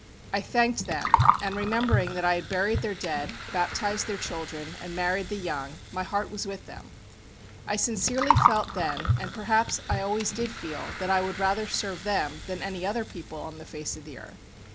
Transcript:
I thanked them, and remembering that I had buried their dead, baptised their children and married the young, my heart was with them. I sincerely felt then, and perhaps I always did feel, that I would rather serve them than any other people on the face of the earth.